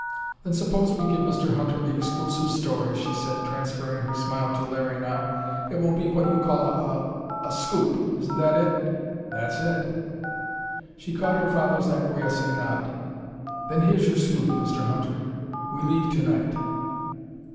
"Then suppose we give Mr. Hunter the exclusive story," she said, transferring her smile to Larry now. "It will be what you call a a scoop. Isn't that it?" "That's it." She caught her father's acquiescing nod. "Then here's your scoop, Mr. Hunter. We leave to night."